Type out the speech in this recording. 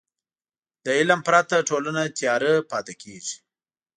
له علم پرته ټولنه تیاره پاتې کېږي.